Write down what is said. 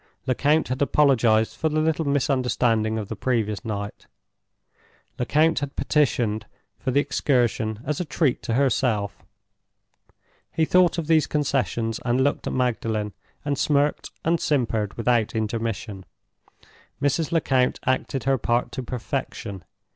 Lecount had apologized for the little misunderstanding of the previous night; Lecount had petitioned for the excursion as a treat to herself. He thought of these concessions, and looked at Magdalen, and smirked and simpered without intermission. Mrs. Lecount acted her part to perfection.